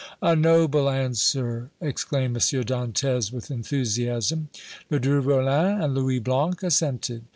"A noble answer!" exclaimed M. Dantès, with enthusiasm. Ledru Rollin and Louis Blanc assented.